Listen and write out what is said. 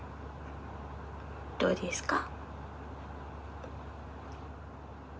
どうですか？